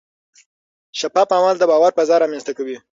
شفاف عمل د باور فضا رامنځته کوي.